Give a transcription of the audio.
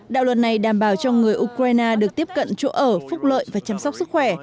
đạo luật này đảm bảo cho người ukraine được tiếp cận chỗ ở phúc lợi và chăm sóc sức khỏe